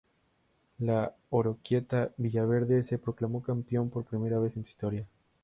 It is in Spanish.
El Oroquieta Villaverde se proclamó campeón por primera vez en su historia.